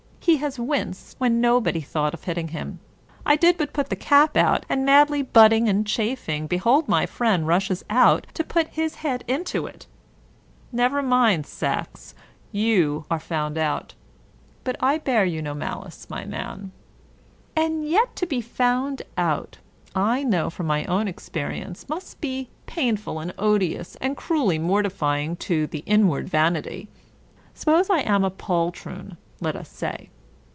He has winced when nobody thought of hitting him. I did but put the cap out, and madly butting and chafing, behold my friend rushes out to put his head into it ! Never mind, Sacks, you are found out; but I bear you no malice, my man. And yet to be found out, I know from my own experi ence, must be painful and odious, and cruelly mortifying to the inward vanity. Suppose I am a poltroon, let us say.